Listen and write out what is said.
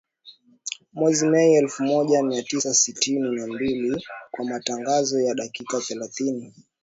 Mwezi Mei elfu moja mia tisa sitini na mbili kwa matangazo ya dakika thelathini